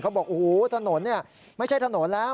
เขาบอกอู๋ถนนนี่ไม่ใช่ถนนแล้ว